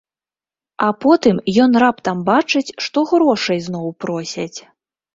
А потым ён раптам бачыць, што грошай зноў просяць.